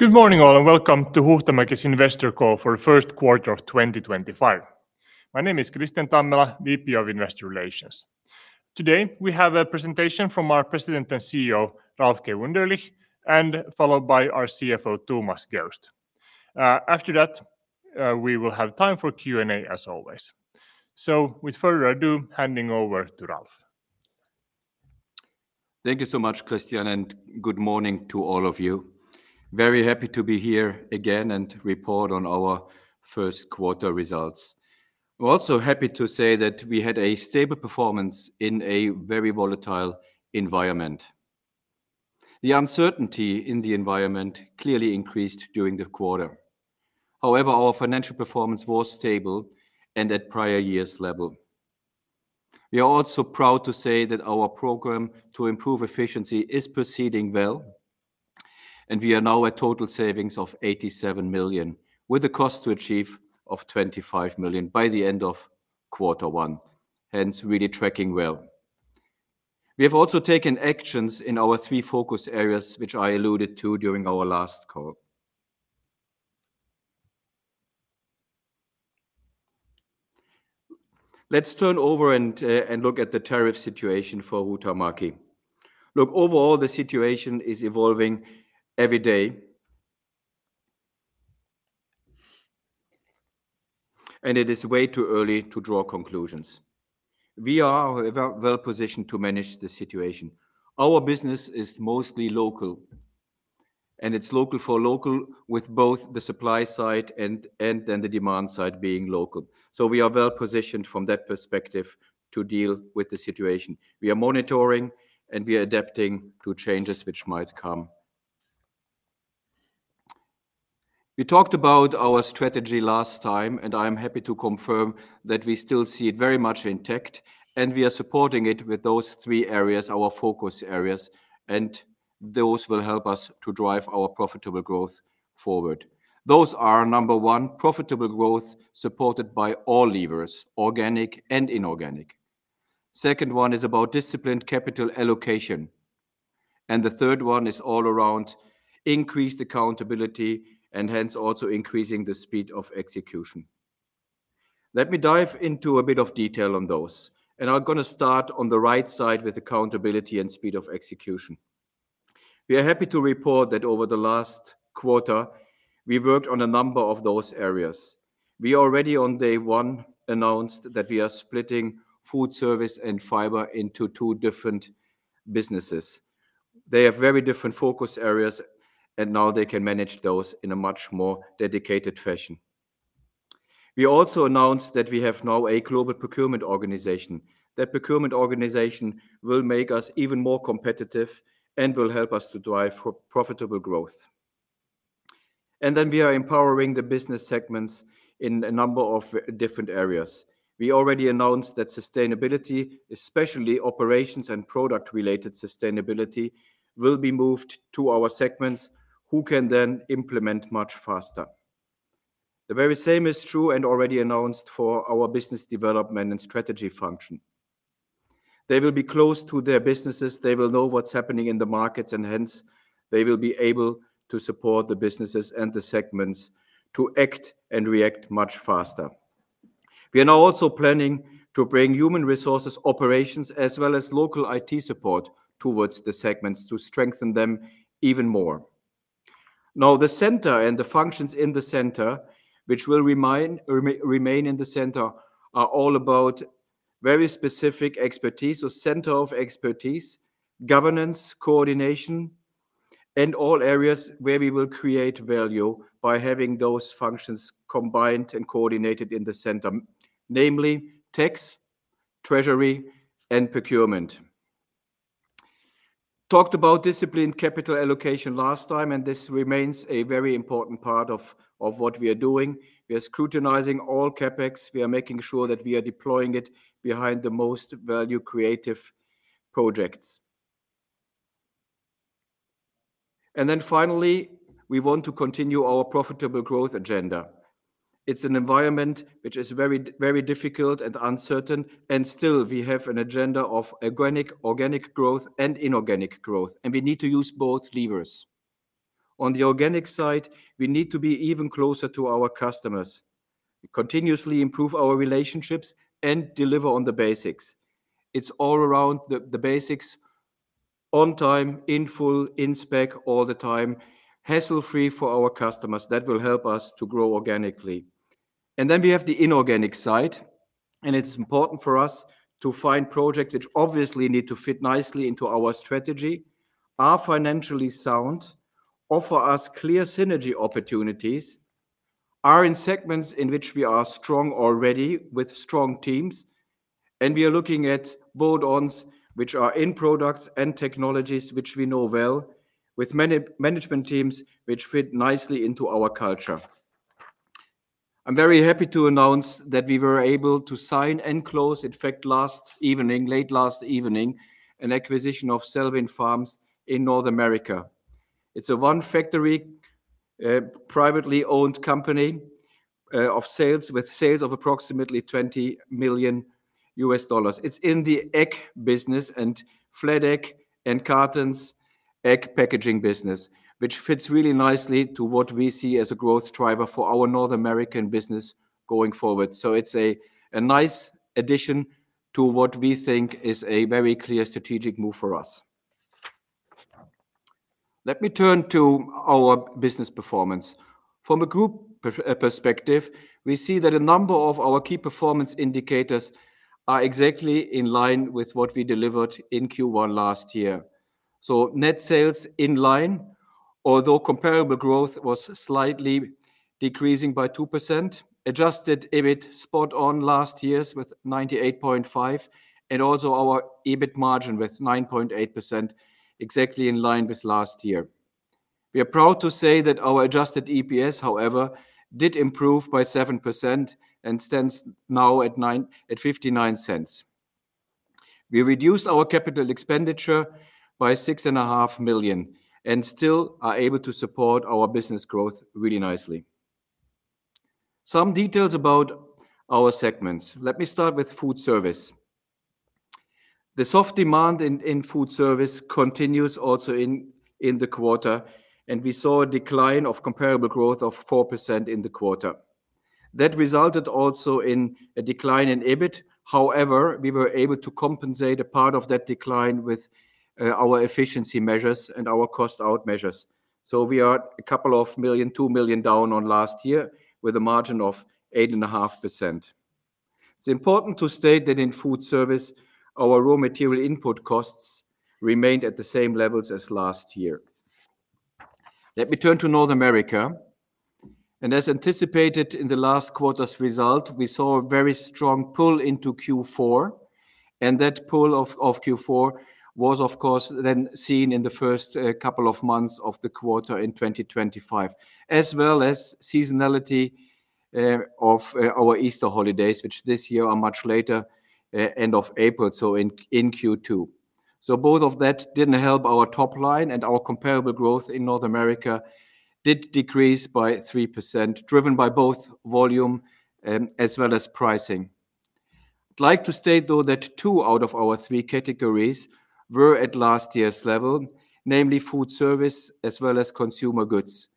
Good morning, all, and welcome to Huhtamaki's Investor Call for the first quarter of 2025. My name is Kristian Tammela, VP of Investor Relations. Today, we have a presentation from our President and CEO, Ralf Wunderlich, and followed by our CFO, Thomas Geust. After that, we will have time for Q&A, as always. Without further ado, handing over to Ralf. Thank you so much, Kristian, and good morning to all of you. Very happy to be here again and report on our first quarter results. We're also happy to say that we had a stable performance in a very volatile environment. The uncertainty in the environment clearly increased during the quarter. However, our financial performance was stable and at prior years' level. We are also proud to say that our program to improve efficiency is proceeding well, and we are now at total savings of $87 million, with a cost to achieve of $25 million by the end of quarter one, hence really tracking well. We have also taken actions in our three focus areas, which I alluded to during our last call. Let's turn over and look at the tariff situation for Huhtamäki. Look, overall, the situation is evolving every day, and it is way too early to draw conclusions. We are, however, well positioned to manage the situation. Our business is mostly local, and it's local for local, with both the supply side and then the demand side being local. We are well positioned from that perspective to deal with the situation. We are monitoring, and we are adapting to changes which might come. We talked about our strategy last time, and I am happy to confirm that we still see it very much intact, and we are supporting it with those three areas, our focus areas, and those will help us to drive our profitable growth forward. Those are, number one, profitable growth supported by all levers, organic and inorganic. Second one is about disciplined capital allocation, and the third one is all around increased accountability and hence also increasing the speed of execution. Let me dive into a bit of detail on those, and I'm going to start on the right side with accountability and speed of execution. We are happy to report that over the last quarter, we worked on a number of those areas. We already, on day one, announced that we are splitting foodservice and fiber into two different businesses. They have very different focus areas, and now they can manage those in a much more dedicated fashion. We also announced that we have now a global procurement organization. That procurement organization will make us even more competitive and will help us to drive profitable growth. We are empowering the business segments in a number of different areas. We already announced that sustainability, especially operations and product-related sustainability, will be moved to our segments, who can then implement much faster. The very same is true and already announced for our business development and strategy function. They will be close to their businesses. They will know what's happening in the markets, and hence they will be able to support the businesses and the segments to act and react much faster. We are now also planning to bring human resources operations as well as local IT support towards the segments to strengthen them even more. Now, the center and the functions in the center, which will remain in the center, are all about very specific expertise, or center of expertise, governance, coordination, and all areas where we will create value by having those functions combined and coordinated in the center, namely tax, treasury, and procurement. Talked about disciplined capital allocation last time, and this remains a very important part of what we are doing. We are scrutinizing all CapEx. We are making sure that we are deploying it behind the most value-creative projects. Finally, we want to continue our profitable growth agenda. It's an environment which is very, very difficult and uncertain, and still we have an agenda of organic, organic growth, and inorganic growth, and we need to use both levers. On the organic side, we need to be even closer to our customers, continuously improve our relationships, and deliver on the basics. It's all around the basics: on time, in full, in spec, all the time, hassle-free for our customers. That will help us to grow organically. We have the inorganic side, and it's important for us to find projects which obviously need to fit nicely into our strategy, are financially sound, offer us clear synergy opportunities, are in segments in which we are strong already with strong teams, and we are looking at bolt-ons which are in products and technologies which we know well, with many management teams which fit nicely into our culture. I'm very happy to announce that we were able to sign and close, in fact, last evening, late last evening, an acquisition of Selwyn Farms in North America. It's a one-factory, privately owned company with sales of approximately $20 million. It's in the egg business and flat egg and cartons egg packaging business, which fits really nicely to what we see as a growth driver for our North American business going forward. It's a nice addition to what we think is a very clear strategic move for us. Let me turn to our business performance. From a group perspective, we see that a number of our key performance indicators are exactly in line with what we delivered in Q1 last year. Net sales in line, although comparable growth was slightly decreasing by 2%, Adjusted EBIT spot-on last year's with $98.5 million, and also our EBIT margin with 9.8%, exactly in line with last year. We are proud to say that our Adjusted EPS, however, did improve by 7% and stands now at $0.59. We reduced our capital expenditure by $6.5 million and still are able to support our business growth really nicely. Some details about our segments. Let me start with food service. The soft demand in food service continues also in the quarter, and we saw a decline of comparable growth of 4% in the quarter. That resulted also in a decline in EBIT. However, we were able to compensate a part of that decline with our efficiency measures and our cost-out measures. We are a couple of million, $2 million down on last year with a margin of 8.5%. It's important to state that in food service, our raw material input costs remained at the same levels as last year. Let me turn to North America. As anticipated in the last quarter's result, we saw a very strong pull into Q4, and that pull of Q4 was, of course, then seen in the first couple of months of the quarter in 2025, as well as seasonality of our Easter holidays, which this year are much later, end of April, so in Q2. Both of that did not help our top line, and our comparable growth in North America did decrease by 3%, driven by both volume as well as pricing. I'd like to state, though, that two out of our three categories were at last year's level, namely foodservice as well as consumer goods.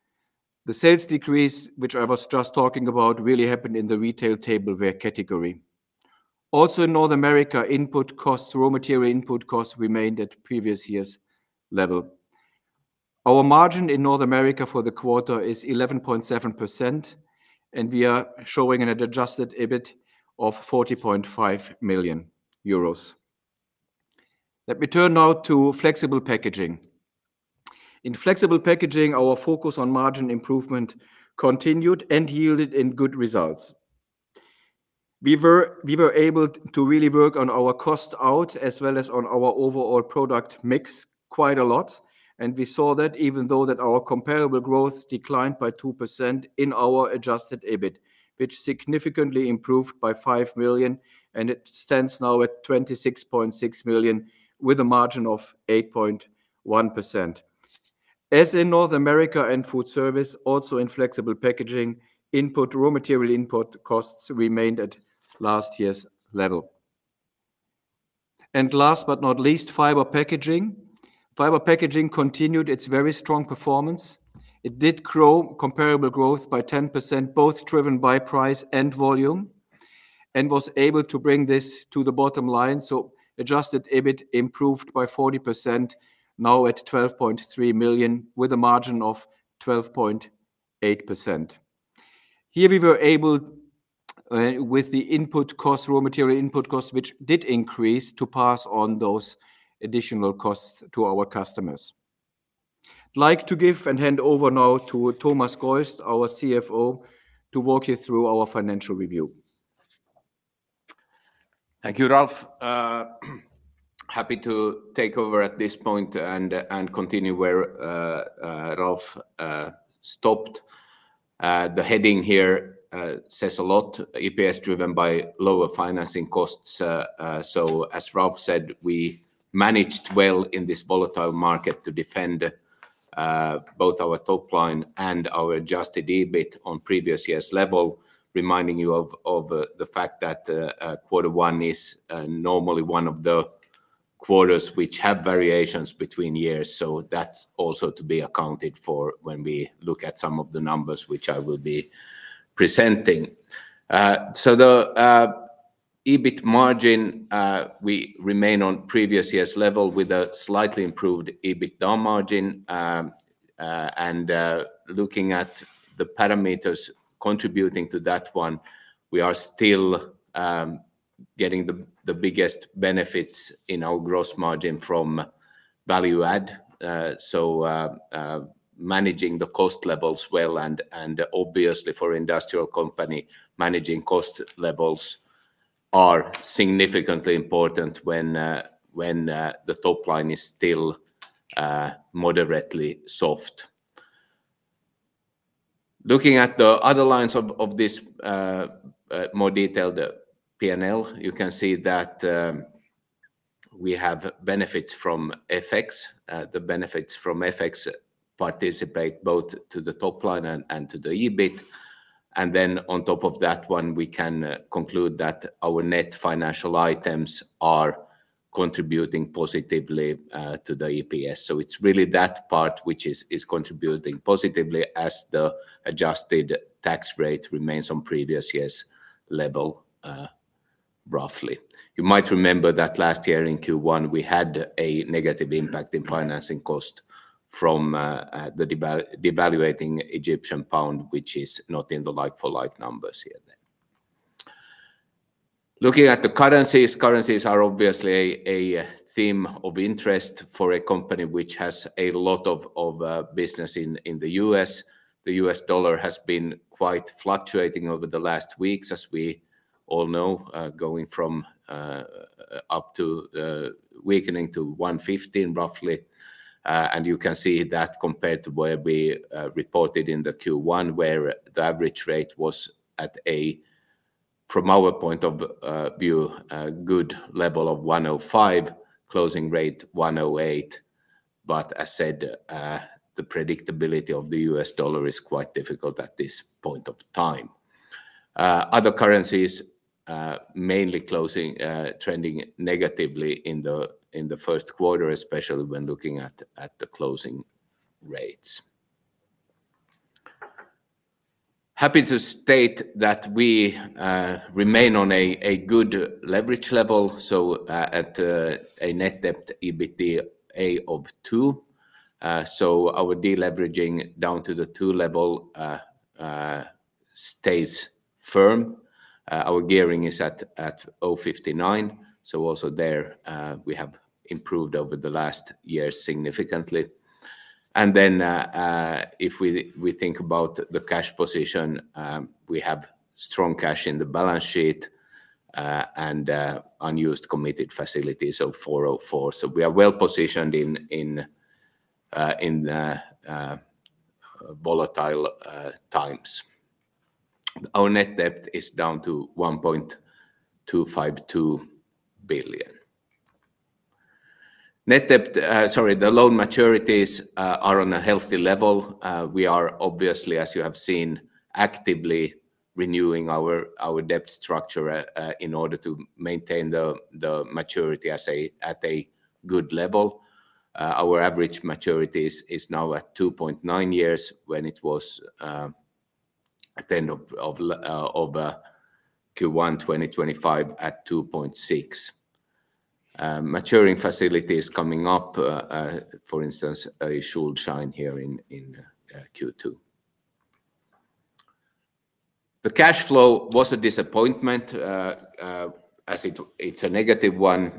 The sales decrease, which I was just talking about, really happened in the retail tableware category. Also, in North America, input costs, raw material input costs remained at previous years' level. Our margin in North America for the quarter is 11.7%, and we are showing an Adjusted EBIT of 40.5 million euros. Let me turn now to flexible packaging. In flexible packaging, our focus on margin improvement continued and yielded in good results. We were able to really work on our cost-out as well as on our overall product mix quite a lot, and we saw that even though our comparable growth declined by 2% in our Adjusted EBIT, which significantly improved by 5 million, and it stands now at 26.6 million with a margin of 8.1%. As in North America and foodservice, also in flexible packaging, raw material input costs remained at last year's level. Last but not least, fiber packaging. Fiber packaging continued its very strong performance. It did grow comparable growth by 10%, both driven by price and volume, and was able to bring this to the bottom line. Adjusted EBIT improved by 40%, now at $12.3 million with a margin of 12.8%. Here we were able, with the input cost, raw material input cost, which did increase, to pass on those additional costs to our customers. I'd like to give and hand over now to Thomas Geust, our CFO, to walk you through our financial review. Thank you, Ralf. Happy to take over at this point and continue where Ralf stopped. The heading here says a lot: EPS driven by lower financing costs. As Ralf said, we managed well in this volatile market to defend both our top line and our Adjusted EBIT on previous years' level, reminding you of the fact that quarter one is normally one of the quarters which have variations between years. That is also to be accounted for when we look at some of the numbers which I will be presenting. The EBIT margin, we remain on previous years' level with a slightly improved EBIT margin, and looking at the parameters contributing to that one, we are still getting the biggest benefits in our gross margin from value-add. Managing the cost levels well, and obviously for an industrial company, managing cost levels are significantly important when the top line is still moderately soft. Looking at the other lines of this more detailed P&L, you can see that we have benefits from FX. The benefits from FX participate both to the top line and to the EBIT. On top of that one, we can conclude that our net financial items are contributing positively to the EPS. It is really that part which is contributing positively as the Adjusted tax rate remains on previous years' level, roughly. You might remember that last year in Q1, we had a negative impact in financing cost from the devaluating Egyptian pound, which is not in the like-for-like numbers here. Looking at the currencies, currencies are obviously a theme of interest for a company which has a lot of business in the U.S. The U.S. dollar has been quite fluctuating over the last weeks, as we all know, going up to weakening to 1.15, roughly. You can see that compared to where we reported in the Q1, where the average rate was at a, from our point of view, good level of 1.05, closing rate 1.08. As said, the predictability of the US dollar is quite difficult at this point of time. Other currencies mainly trending negatively in the first quarter, especially when looking at the closing rates. Happy to state that we remain on a good leverage level, at a net debt EBITDA of 2. Our deleveraging down to the 2 level stays firm. Our gearing is at 0.59. There, we have improved over the last year significantly. If we think about the cash position, we have strong cash in the balance sheet and unused committed facilities of $404 million. We are well positioned in volatile times. Our net debt is down to $1.252 billion. Net debt, sorry, the loan maturities are on a healthy level. We are obviously, as you have seen, actively renewing our debt structure in order to maintain the maturity at a good level. Our average maturity is now at 2.9 years when it was at the end of Q1 2025 at 2.6. Maturing facilities coming up, for instance, a Schuldschein here in Q2. The cash flow was a disappointment as it's a negative one,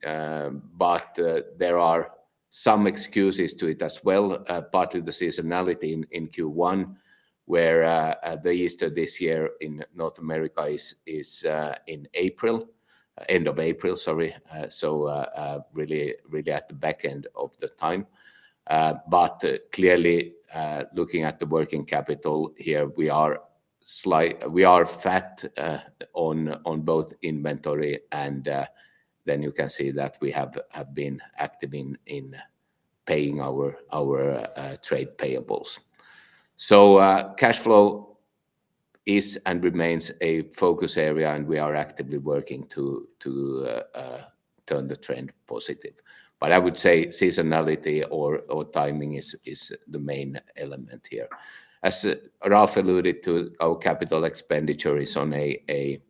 but there are some excuses to it as well, partly the seasonality in Q1, where the Easter this year in North America is in April, end of April, sorry. Really at the back end of the time. Clearly, looking at the working capital here, we are fat on both inventory, and then you can see that we have been active in paying our trade payables. Cash flow is and remains a focus area, and we are actively working to turn the trend positive. I would say seasonality or timing is the main element here. As Ralf alluded to, our capital expenditure is on a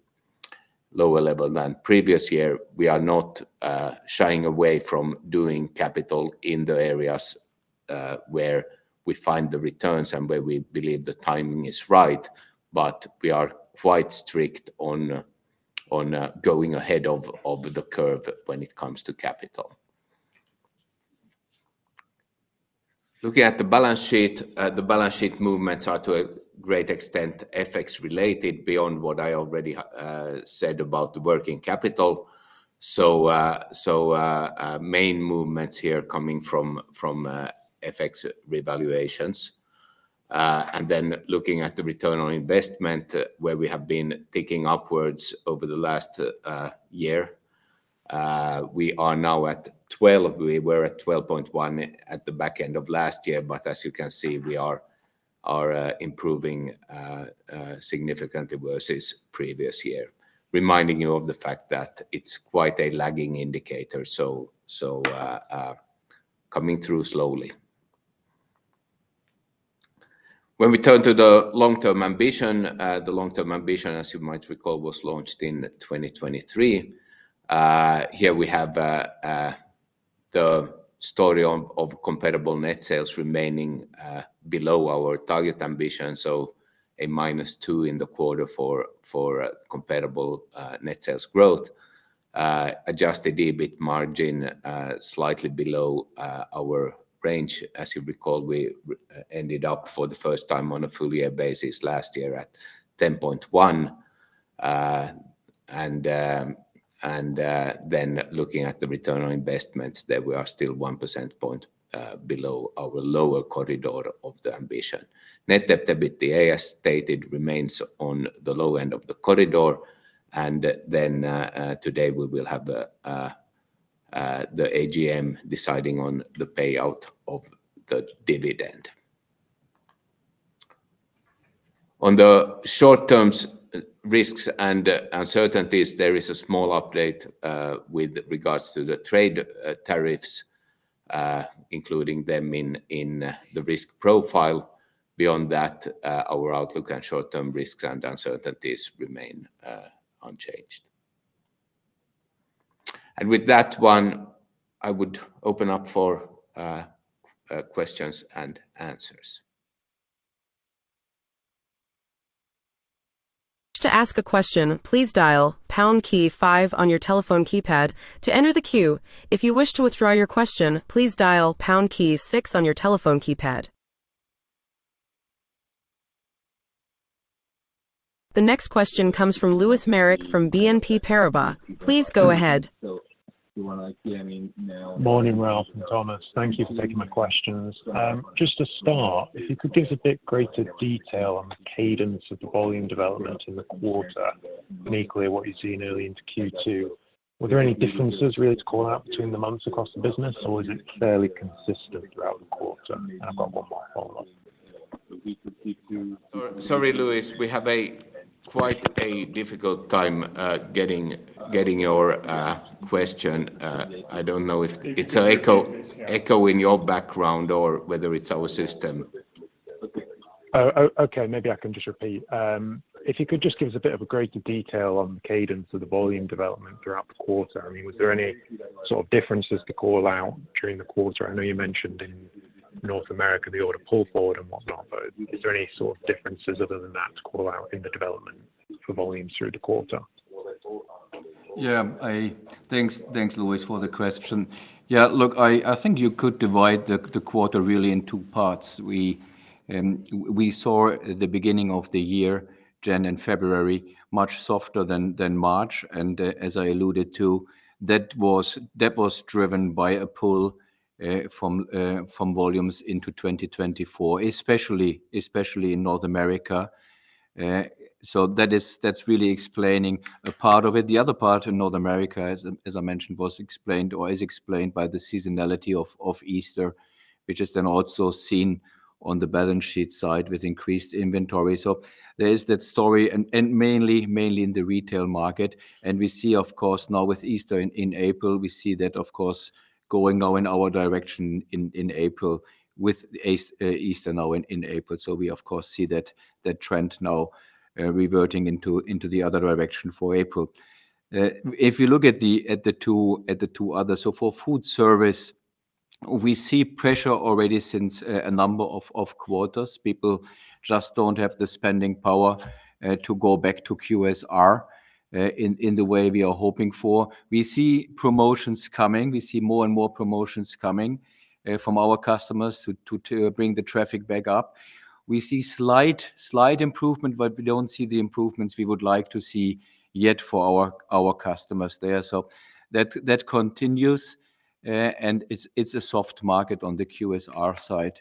lower level than previous year. We are not shying away from doing capital in the areas where we find the returns and where we believe the timing is right, but we are quite strict on going ahead of the curve when it comes to capital. Looking at the balance sheet, the balance sheet movements are to a great extent FX-related beyond what I already said about the working capital. Main movements here coming from FX revaluations. Looking at the return on investment, where we have been ticking upwards over the last year, we are now at 12. We were at 12.1 at the back end of last year, but as you can see, we are improving significantly versus previous year, reminding you of the fact that it's quite a lagging indicator, so coming through slowly. When we turn to the long-term ambition, the long-term ambition, as you might recall, was launched in 2023. Here we have the story of comparable net sales remaining below our target ambition, so a minus 2 in the quarter for comparable net sales growth. Adjusted EBIT margin slightly below our range. As you recall, we ended up for the first time on a full-year basis last year at 10.1. And then looking at the return on investments, there we are still 1% below our lower corridor of the ambition. Net debt EBITDA, as stated, remains on the low end of the corridor. Today we will have the AGM deciding on the payout of the dividend. On the short-term risks and uncertainties, there is a small update with regards to the trade tariffs, including them in the risk profile. Beyond that, our outlook and short-term risks and uncertainties remain unchanged. With that, I would open up for questions and answers. To ask a question, please dial pound key five on your telephone keypad to enter the queue. If you wish to withdraw your question, please dial pound key six on your telephone keypad. The next question comes from Lewis Merrick from BNP Paribas. Please go ahead. Morning, Ralf and Thomas. Thank you for taking my questions. Just to start, if you could give us a bit greater detail on cadence of the volume development in the quarter, particularly what you've seen early into Q2. Were there any differences really to call out between the months across the business, or was it fairly consistent throughout the quarter? I've got one more follow-up. Sorry, Lewis, we have quite a difficult time getting your question. I don't know if it's an echo in your background or whether it's our system. Okay, maybe I can just repeat. If you could just give us a bit of a greater detail on cadence of the volume development throughout the quarter. I mean, was there any sort of differences to call out during the quarter? I know you mentioned in North America the order pulled forward and whatnot, but is there any sort of differences other than that to call out in the development for volume through the quarter? Yeah, thanks, thanks, Lewis, for the question. Yeah, look, I think you could divide the quarter really in two parts. We saw the beginning of the year, January and February, much softer than March. As I alluded to, that was driven by a pull from volumes into 2024, especially in North America. That is really explaining a part of it. The other part in North America, as I mentioned, was explained or is explained by the seasonality of Easter, which is then also seen on the balance sheet side with increased inventory. There is that story, and mainly in the retail market. We see, of course, now with Easter in April, we see that, of course, going now in our direction in April with Easter now in April. We, of course, see that trend now reverting into the other direction for April. If you look at the two others, for food service, we see pressure already since a number of quarters. People just don't have the spending power to go back to QSR in the way we are hoping for. We see promotions coming. We see more and more promotions coming from our customers to bring the traffic back up. We see slight improvement, but we don't see the improvements we would like to see yet for our customers there. That continues, and it's a soft market on the QSR side.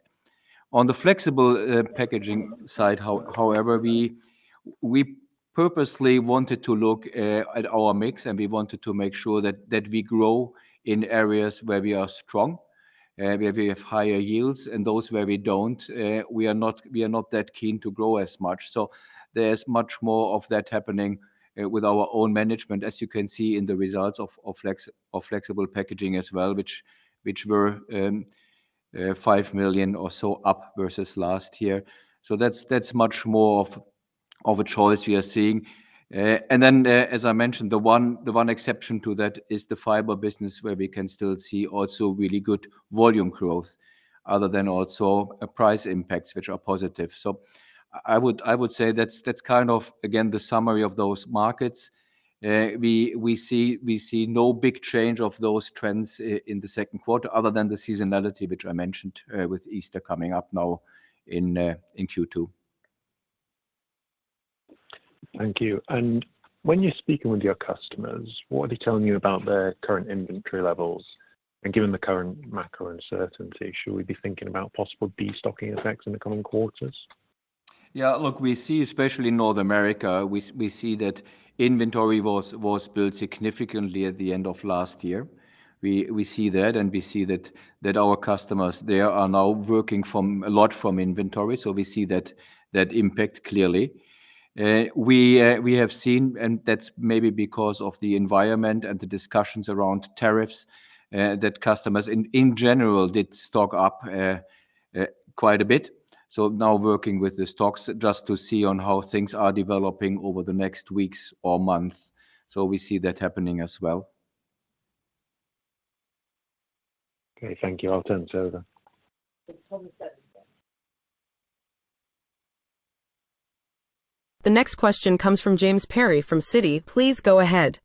On the flexible packaging side, however, we purposely wanted to look at our mix, and we wanted to make sure that we grow in areas where we are strong, where we have higher yields, and those where we don't, we are not that keen to grow as much. There is much more of that happening with our own management, as you can see in the results of flexible packaging as well, which were $5 million or so up versus last year. That is much more of a choice we are seeing. As I mentioned, the one exception to that is the fiber business, where we can still see also really good volume growth other than also price impacts, which are positive. I would say that is kind of, again, the summary of those markets. We see no big change of those trends in the second quarter other than the seasonality, which I mentioned with Easter coming up now in Q2. Thank you. When you're speaking with your customers, what are they telling you about their current inventory levels? Given the current macro uncertainty, should we be thinking about possible destocking effects in the coming quarters? Yeah, look, we see, especially in North America, we see that inventory was built significantly at the end of last year. We see that, and we see that our customers, they are now working a lot from inventory. We see that impact clearly. We have seen, and that's maybe because of the environment and the discussions around tariffs, that customers in general did stock up quite a bit. Now working with the stocks just to see on how things are developing over the next weeks or months. We see that happening as well. Okay, thank you. I'll turn to her. The next question comes from James Perry from Citi. Please go ahead.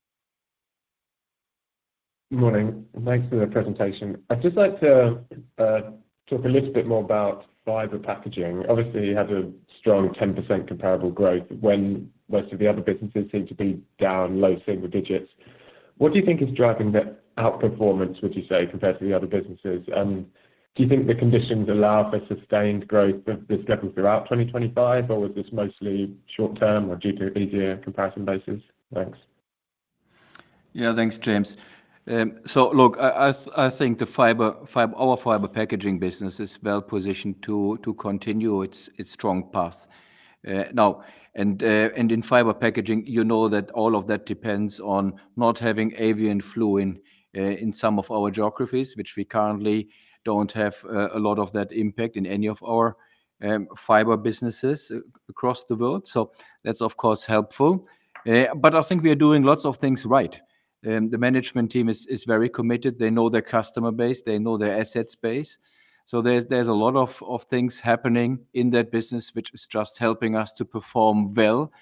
Good morning. Thanks for the presentation. I'd just like to talk a little bit more about fiber packaging. Obviously, you had a strong 10% comparable growth when most of the other businesses seem to be down low single digits. What do you think is driving that outperformance, would you say, compared to the other businesses? Do you think the conditions allow for sustained growth of this level throughout 2025, or was this mostly short-term or easier comparison basis? Thanks. Yeah, thanks, James. Look, I think our fiber packaging business is well positioned to continue its strong path. Now, in fiber packaging, you know that all of that depends on not having avian flu in some of our geographies, which we currently do not have a lot of that impact in any of our fiber businesses across the world. That is, of course, helpful. I think we are doing lots of things right. The management team is very committed. They know their customer base. They know their assets base. There are a lot of things happening in that business, which is just helping us to perform well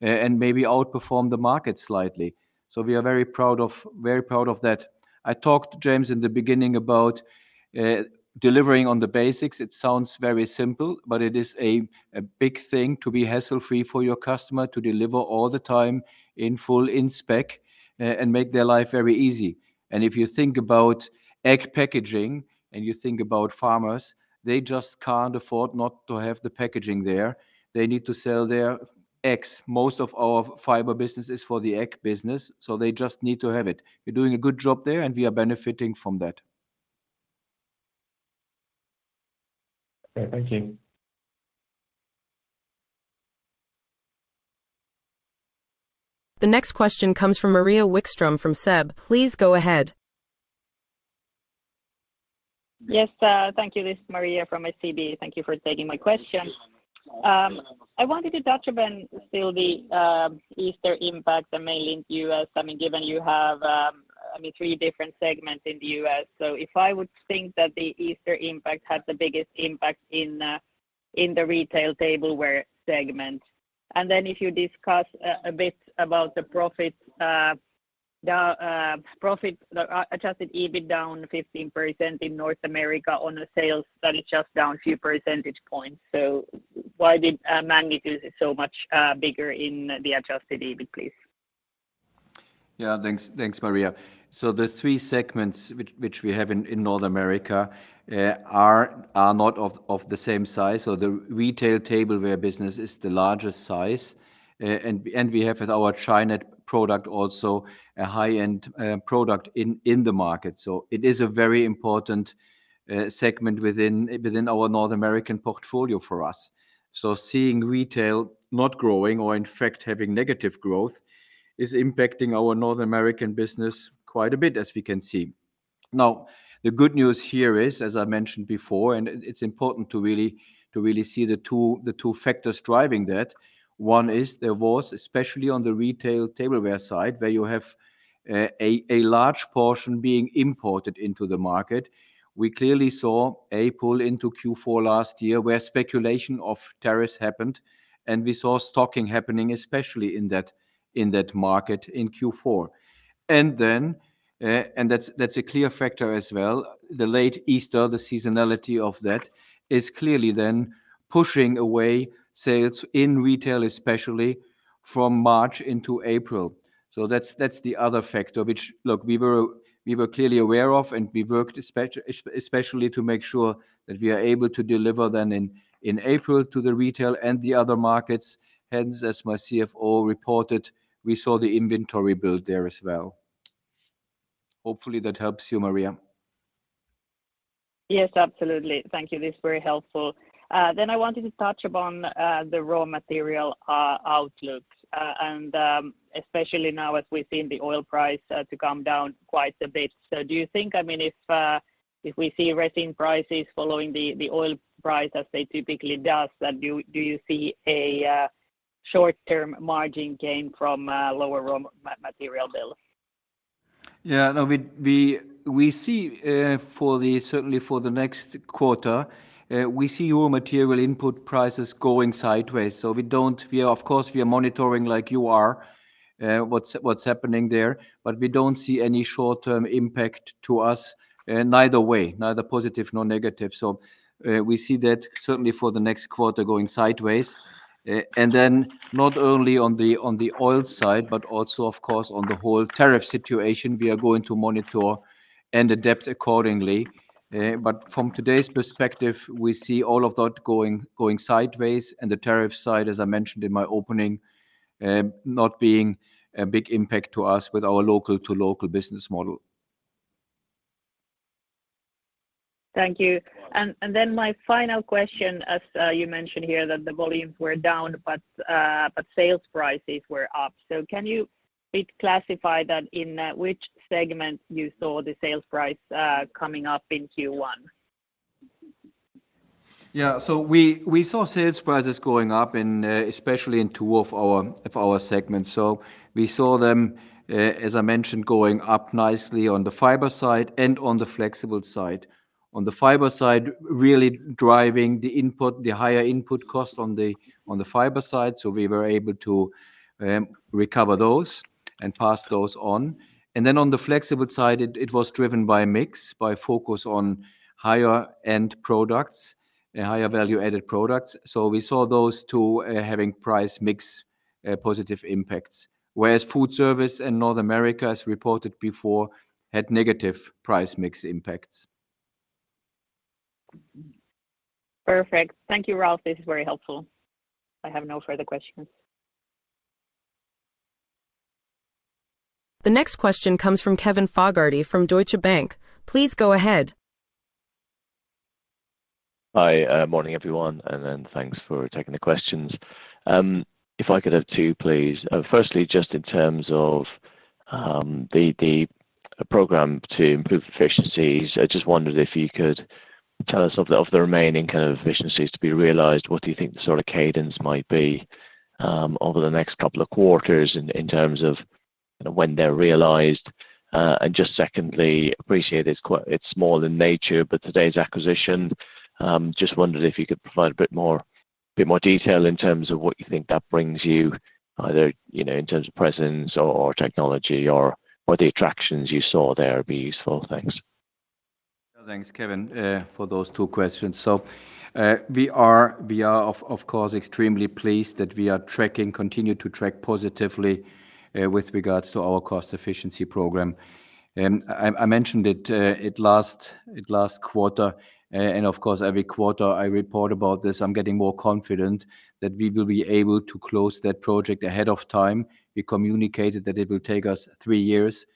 and maybe outperform the market slightly. We are very proud of that. I talked to James in the beginning about delivering on the basics. It sounds very simple, but it is a big thing to be hassle-free for your customer to deliver all the time in full, inspec, and make their life very easy. If you think about egg packaging and you think about farmers, they just can't afford not to have the packaging there. They need to sell their eggs. Most of our fiber business is for the egg business, so they just need to have it. You're doing a good job there, and we are benefiting from that. Thank you. The next question comes from Maria Wikstrom from SEB. Please go ahead. Yes, thank you, Liz, Maria from SEB. Thank you for taking my question. I wanted to determine still the Easter impact mainly in the U.S. I mean, given you have three different segments in the U.S. If I would think that the Easter impact has the biggest impact in the retail tableware segment. If you discuss a bit about the profit, Adjusted EBIT down 15% in North America on a sales that is just down a few percentage points. Why did magnitude is so much bigger in the Adjusted EBIT, please? Yeah, thanks, Maria. The three segments which we have in North America are not of the same size. The retail tableware business is the largest size. We have with our China product also a high-end product in the market. It is a very important segment within our North American portfolio for us. Seeing retail not growing or in fact having negative growth is impacting our North American business quite a bit, as we can see. The good news here is, as I mentioned before, and it's important to really see the two factors driving that. One is there was, especially on the retail tableware side, where you have a large portion being imported into the market. We clearly saw a pull into Q4 last year where speculation of tariffs happened, and we saw stocking happening, especially in that market in Q4. That is a clear factor as well. The late Easter, the seasonality of that is clearly then pushing away sales in retail, especially from March into April. That is the other factor, which, look, we were clearly aware of, and we worked especially to make sure that we are able to deliver then in April to the retail and the other markets. Hence, as my CFO reported, we saw the inventory build there as well. Hopefully, that helps you, Maria. Yes, absolutely. Thank you. This is very helpful. I wanted to touch upon the raw material outlook, and especially now as we've seen the oil price come down quite a bit. Do you think, I mean, if we see resin prices following the oil price as they typically do, do you see a short-term margin gain from lower raw material bill? Yeah, no, we see certainly for the next quarter, we see raw material input prices going sideways. We are monitoring like you are what's happening there, but we don't see any short-term impact to us, neither way, neither positive nor negative. We see that certainly for the next quarter going sideways. Not only on the oil side, but also, of course, on the whole tariff situation, we are going to monitor and adapt accordingly. From today's perspective, we see all of that going sideways and the tariff side, as I mentioned in my opening, not being a big impact to us with our local-to-local business model. Thank you. My final question, as you mentioned here, that the volumes were down, but sales prices were up. Can you classify that in which segment you saw the sales price coming up in Q1? Yeah, so we saw sales prices going up, especially in two of our segments. We saw them, as I mentioned, going up nicely on the fiber side and on the flexible side. On the fiber side, really driving the higher input costs on the fiber side. We were able to recover those and pass those on. Then on the flexible side, it was driven by mix, by focus on higher-end products and higher value-added products. We saw those two having price mix positive impacts, whereas foodservice and North America, as reported before, had negative price mix impacts. Perfect. Thank you, Ralf. This is very helpful. I have no further questions. The next question comes from Kevin Fogarty from Deutsche Bank. Please go ahead. Hi, morning, everyone. Thanks for taking the questions. If I could have two, please. Firstly, just in terms of the program to improve efficiencies, I just wondered if you could tell us of the remaining kind of efficiencies to be realized. What do you think the sort of cadence might be over the next couple of quarters in terms of when they're realized? Just secondly, appreciate it's small in nature, but today's acquisition, just wondered if you could provide a bit more detail in terms of what you think that brings you, either in terms of presence or technology or the attractions you saw there would be useful. Thanks. Thanks, Kevin, for those two questions. We are, of course, extremely pleased that we are continuing to track positively with regards to our cost efficiency program. I mentioned it last quarter, and every quarter I report about this, I'm getting more confident that we will be able to close that project ahead of time. We communicated that it will take us three years.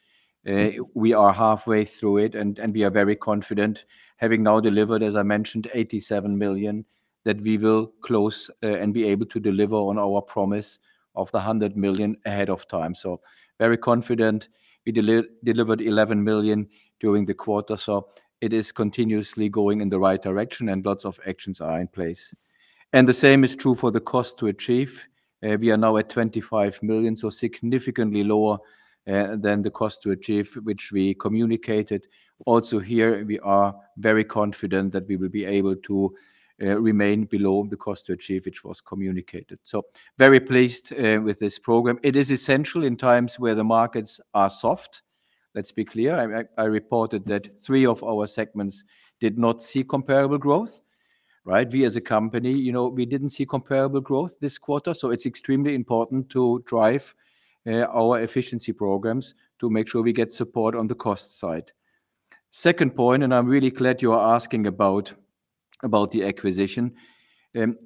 We are halfway through it, and we are very confident having now delivered, as I mentioned, $87 million that we will close and be able to deliver on our promise of the $100 million ahead of time. Very confident. We delivered $11 million during the quarter. It is continuously going in the right direction, and lots of actions are in place. The same is true for the cost to achieve. We are now at $25 million, so significantly lower than the cost to achieve, which we communicated. Also here, we are very confident that we will be able to remain below the cost to achieve, which was communicated. Very pleased with this program. It is essential in times where the markets are soft. Let's be clear. I reported that three of our segments did not see comparable growth. Right? We as a company, we did not see comparable growth this quarter. It is extremely important to drive our efficiency programs to make sure we get support on the cost side. Second point, and I am really glad you are asking about the acquisition.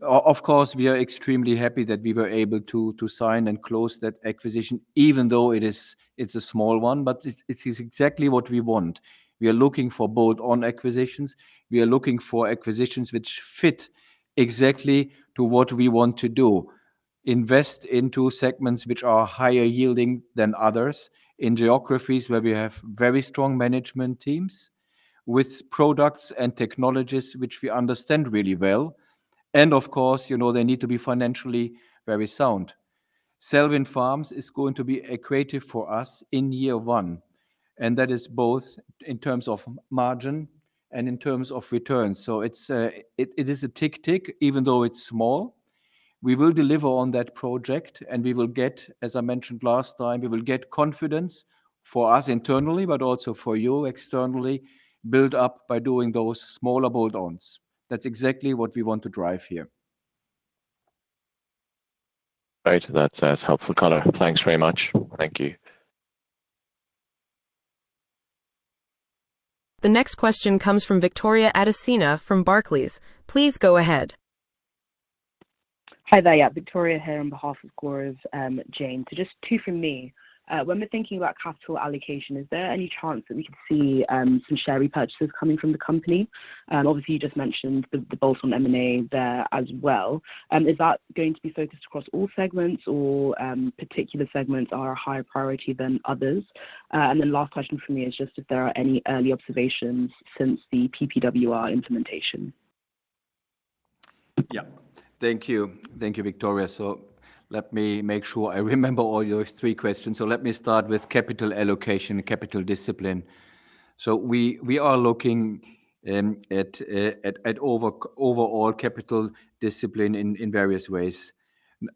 Of course, we are extremely happy that we were able to sign and close that acquisition, even though it is a small one, but it is exactly what we want. We are looking for bolt-on acquisitions. We are looking for acquisitions which fit exactly to what we want to do. Invest into segments which are higher yielding than others in geographies where we have very strong management teams with products and technologies which we understand really well. Of course, they need to be financially very sound. Selwyn Farms is going to be accretive for us in year one. That is both in terms of margin and in terms of returns. It is a tick-tick, even though it is small. We will deliver on that project, and we will get, as I mentioned last time, we will get confidence for us internally, but also for you externally, built up by doing those smaller bolt-ons. That is exactly what we want to drive here. Great. That's helpful color. Thanks very much. Thank you. The next question comes from Victoria Adesanya from Barclays. Please go ahead. Hi there. Victoria here on behalf of Gaurav Jain. Just two from me. When we're thinking about capital allocation, is there any chance that we could see some share repurchases coming from the company? Obviously, you just mentioned the bolt-on M&A there as well. Is that going to be focused across all segments, or particular segments are a higher priority than others? The last question for me is just if there are any early observations since the PPWR implementation. Yeah. Thank you. Thank you, Victoria. Let me make sure I remember all your three questions. Let me start with capital allocation and capital discipline. We are looking at overall capital discipline in various ways.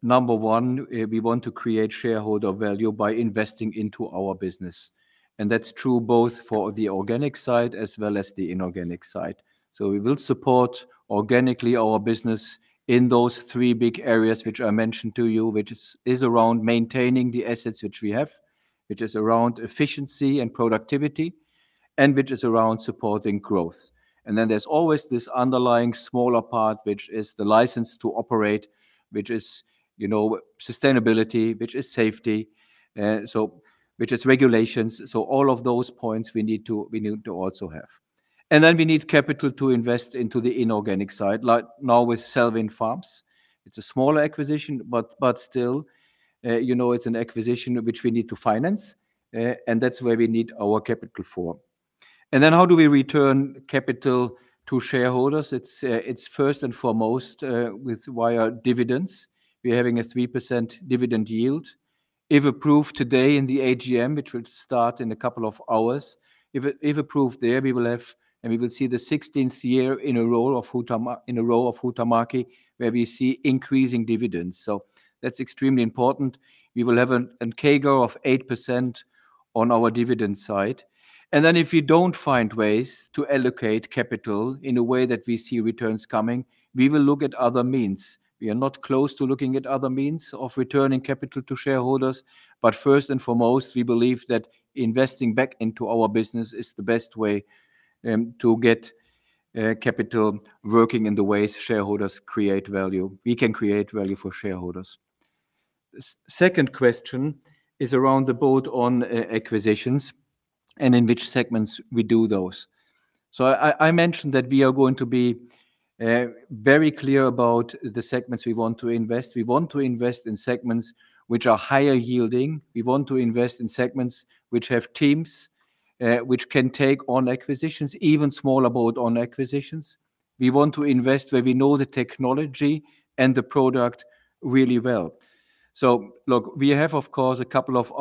Number one, we want to create shareholder value by investing into our business. That's true both for the organic side as well as the inorganic side. We will support organically our business in those three big areas which I mentioned to you, which is around maintaining the assets which we have, which is around efficiency and productivity, and which is around supporting growth. There's always this underlying smaller part, which is the license to operate, which is sustainability, which is safety, which is regulations. All of those points we need to also have. We need capital to invest into the inorganic side, like now with Selwyn Farms. It's a smaller acquisition, but still, it's an acquisition which we need to finance, and that's where we need our capital for. How do we return capital to shareholders? It's first and foremost with our dividends. We're having a 3% dividend yield. If approved today in the AGM, which will start in a couple of hours, if approved there, we will have and we will see the 16th year in a row of Huhtamäki where we see increasing dividends. That's extremely important. We will have a CAGR of 8% on our dividend side. If we don't find ways to allocate capital in a way that we see returns coming, we will look at other means. We are not close to looking at other means of returning capital to shareholders, but first and foremost, we believe that investing back into our business is the best way to get capital working in the ways shareholders create value. We can create value for shareholders. The second question is around the bolt-on acquisitions and in which segments we do those. I mentioned that we are going to be very clear about the segments we want to invest. We want to invest in segments which are higher yielding. We want to invest in segments which have teams which can take on acquisitions, even smaller bolt-on acquisitions. We want to invest where we know the technology and the product really well. We have, of course, a couple of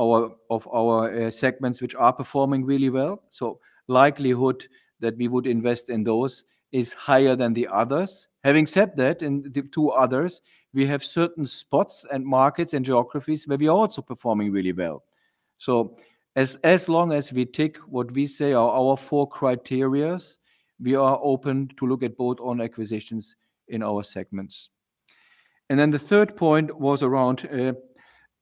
our segments which are performing really well. The likelihood that we would invest in those is higher than the others. Having said that, in the two others, we have certain spots and markets and geographies where we are also performing really well. As long as we tick what we say are our four criteria, we are open to look at bolt-on acquisitions in our segments. The third point was around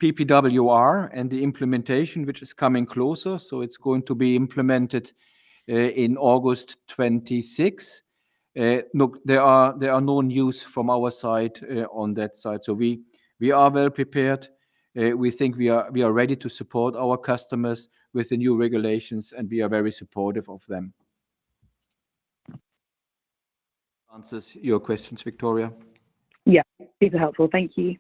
PPWR and the implementation, which is coming closer. It is going to be implemented in August 2026. Look, there are no news from our side on that side. We are well prepared. We think we are ready to support our customers with the new regulations, and we are very supportive of them. Answers your questions, Victoria? Yeah. Super helpful. Thank you.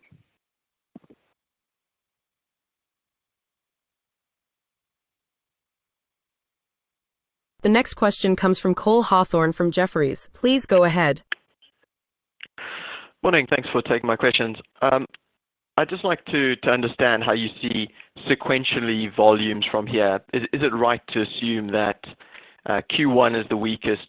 The next question comes from Cole Hathorn from Jefferies. Please go ahead. Morning. Thanks for taking my questions. I'd just like to understand how you see sequentially volumes from here. Is it right to assume that Q1 is the weakest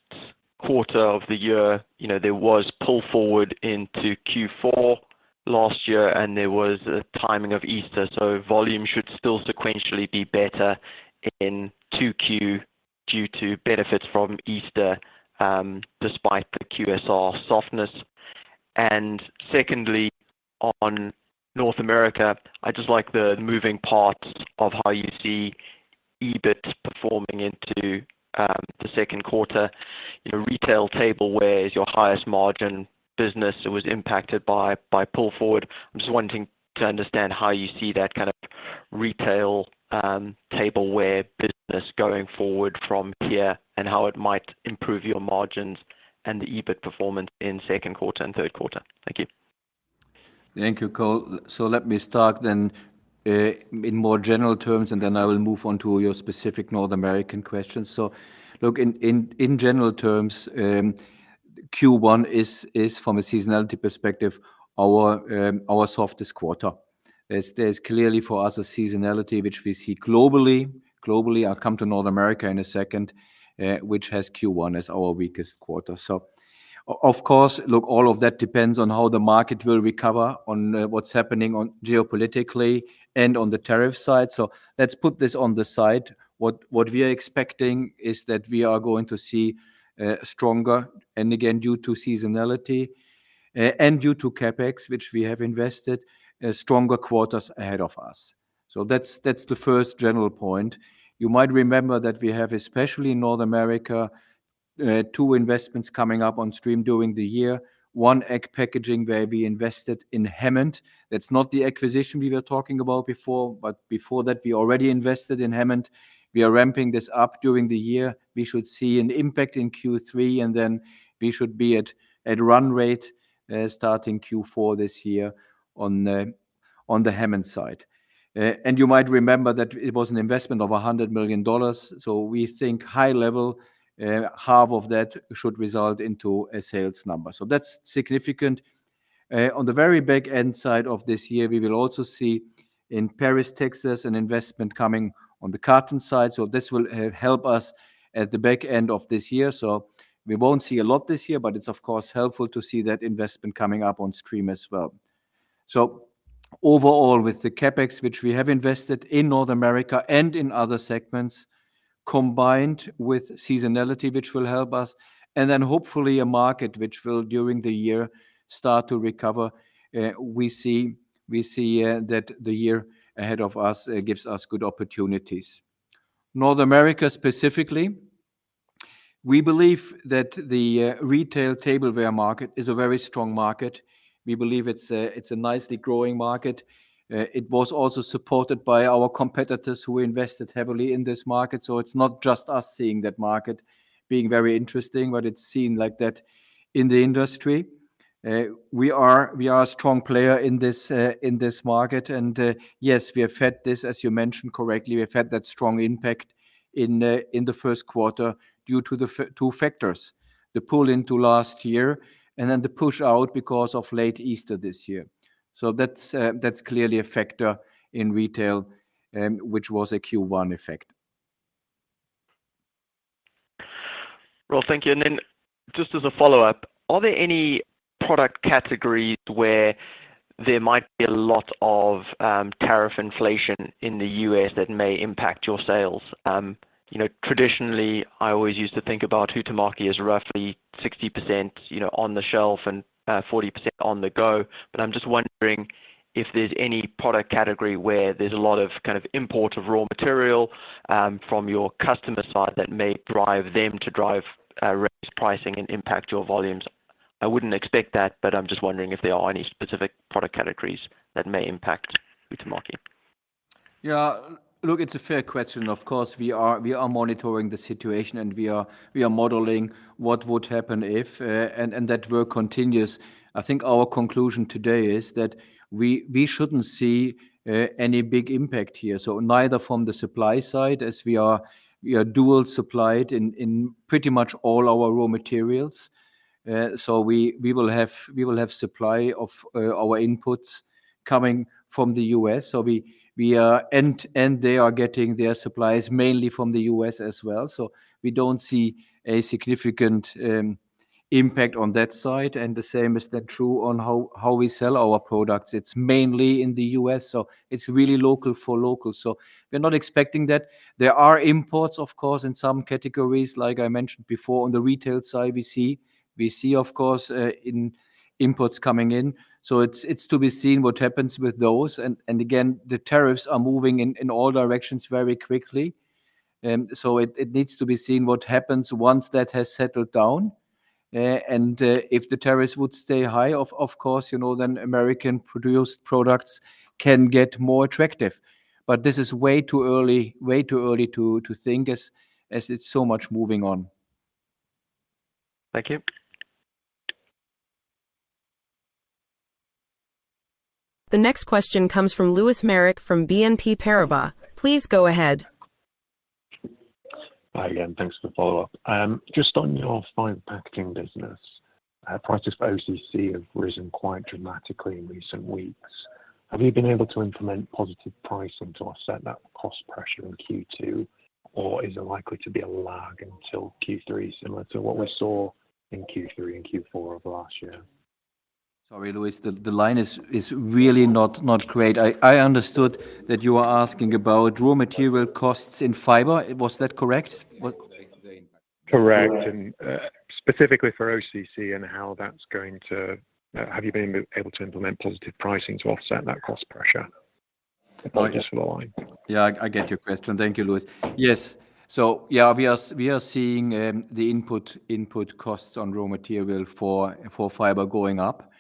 quarter of the year? There was pull forward into Q4 last year, and there was a timing of Easter. Volume should still sequentially be better in Q2 due to benefits from Easter despite the QSR softness. Secondly, on North America, I just like the moving part of how you see EBIT performing into the second quarter. Retail tableware is your highest margin business. It was impacted by pull forward. I'm just wanting to understand how you see that kind of retail tableware business going forward from here and how it might improve your margins and the EBIT performance in second quarter and third quarter. Thank you. Thank you, Cole. Let me start then in more general terms, and then I will move on to your specific North American questions. Look, in general terms, Q1 is, from a seasonality perspective, our softest quarter. There is clearly for us a seasonality which we see globally. Globally, I will come to North America in a second, which has Q1 as our weakest quarter. Of course, look, all of that depends on how the market will recover, on what is happening geopolitically, and on the tariff side. Let us put this on the side. What we are expecting is that we are going to see stronger, and again, due to seasonality and due to CapEx, which we have invested, stronger quarters ahead of us. That is the first general point. You might remember that we have, especially in North America, two investments coming up on stream during the year. One egg packaging where we invested in Hammond. That's not the acquisition we were talking about before, but before that, we already invested in Hammond. We are ramping this up during the year. We should see an impact in Q3, and then we should be at run rate starting Q4 this year on the Hammond side. You might remember that it was an investment of $100 million. We think high level, half of that should result into a sales number. That's significant. On the very back end side of this year, we will also see in Paris, Texas, an investment coming on the carton side. This will help us at the back end of this year. We won't see a lot this year, but it's, of course, helpful to see that investment coming up on stream as well. Overall, with the CapEx, which we have invested in North America and in other segments, combined with seasonality, which will help us, and then hopefully a market which will, during the year, start to recover, we see that the year ahead of us gives us good opportunities. North America specifically, we believe that the retail tableware market is a very strong market. We believe it's a nicely growing market. It was also supported by our competitors who invested heavily in this market. It's not just us seeing that market being very interesting, but it's seen like that in the industry. We are a strong player in this market. Yes, we have fed this, as you mentioned correctly. We've had that strong impact in the first quarter due to the two factors, the pull into last year and then the push out because of late Easter this year. That's clearly a factor in retail, which was a Q1 effect. Thank you. Just as a follow-up, are there any product categories where there might be a lot of tariff inflation in the U.S. that may impact your sales? Traditionally, I always used to think about Huhtamäki as roughly 60% on the shelf and 40% on the go. I'm just wondering if there's any product category where there's a lot of kind of import of raw material from your customer side that may drive them to drive raised pricing and impact your volumes. I wouldn't expect that, but I'm just wondering if there are any specific product categories that may impact Huhtamäki. Yeah. Look, it's a fair question. Of course, we are monitoring the situation, and we are modeling what would happen if, and that work continues. I think our conclusion today is that we shouldn't see any big impact here. Neither from the supply side, as we are dual supplied in pretty much all our raw materials. We will have supply of our inputs coming from the US. We are and they are getting their supplies mainly from the US as well. We don't see a significant impact on that side. The same is then true on how we sell our products. It's mainly in the US. It's really local for local. We're not expecting that. There are imports, of course, in some categories, like I mentioned before. On the retail side, we see, of course, imports coming in. It is to be seen what happens with those. Again, the tariffs are moving in all directions very quickly. It needs to be seen what happens once that has settled down. If the tariffs would stay high, of course, then American-produced products can get more attractive. This is way too early to think as it is so much moving on. Thank you. The next question comes from Lewis Merrick from BNP Paribas. Please go ahead. Hi again. Thanks for the follow-up. Just on your fiber packaging business, prices for OCC have risen quite dramatically in recent weeks. Have you been able to implement positive pricing to offset that cost pressure in Q2, or is it likely to be a lag until Q3, similar to what we saw in Q3 and Q4 of last year? Sorry, Lewis, the line is really not great. I understood that you were asking about raw material costs in fiber. Was that correct? Correct. Specifically for OCC and how that's going to have you been able to implement positive pricing to offset that cost pressure? Yeah, I get your question. Thank you,. Yes. Yeah, we are seeing the input costs on raw material for fiber going up.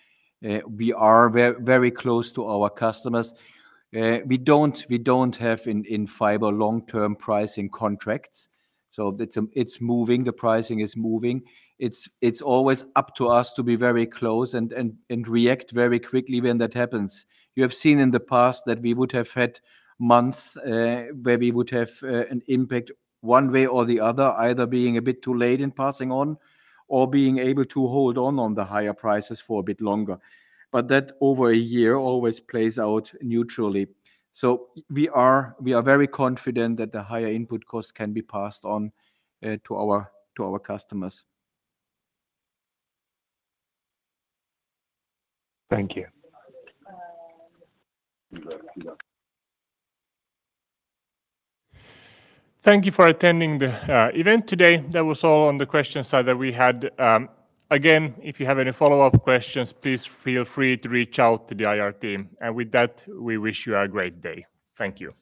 We are very close to our customers. We do not have in fiber long-term pricing contracts. It is moving. The pricing is moving. It is always up to us to be very close and react very quickly when that happens. You have seen in the past that we would have had months where we would have an impact one way or the other, either being a bit too late in passing on or being able to hold on the higher prices for a bit longer. That over a year always plays out neutrally. We are very confident that the higher input costs can be passed on to our customers. Thank you. Thank you for attending the event today. That was all on the question side that we had. Again, if you have any follow-up questions, please feel free to reach out to the IR team. With that, we wish you a great day. Thank you.